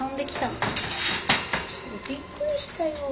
もうびっくりしたよ。